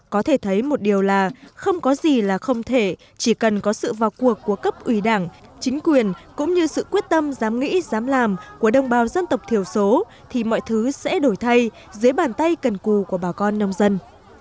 có thể thấy một điều là không có gì là không thể chỉ cần có sự vào cuộc của cấp ủy đảng chính quyền cũng như sự quyết tâm dám nghĩ dám làm của đồng bào dân tộc thiểu số thì mọi thứ sẽ đổi thay dưới bàn tay cần cù của bà con nông dân